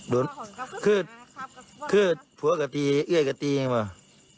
โดนคือคือพวกกับตีเอ่ยกับตีไงบ้าง